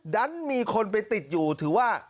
ดันมีคนไปติดอยู่ถือว่า